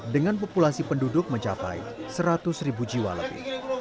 dengan populasi penduduk mencapai seratus ribu jiwa lebih